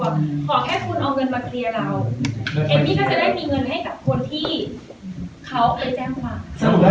ขอแค่คุณเอาเงินมาเคลียร์เราเอมมี่ก็จะได้มีเงินให้กับคนที่เขาไปแจ้งความ